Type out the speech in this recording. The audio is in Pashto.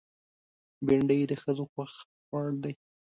بېنډۍ د ښځو خوښ خوړ دی